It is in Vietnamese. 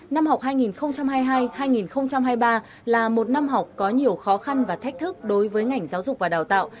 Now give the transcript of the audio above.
năm học hai nghìn hai mươi hai hai nghìn hai mươi ba là một năm học có nhiều khó khăn và thách thức đối với ngành giáo dục và đào tạo